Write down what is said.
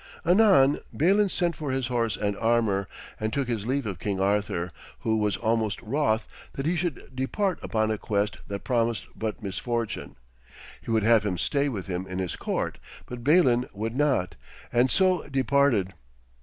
Anon Balin sent for his horse and armour, and took his leave of King Arthur, who was almost wroth that he should depart upon a quest that promised but misfortune. He would have him stay with him in his court, but Balin would not, and so departed.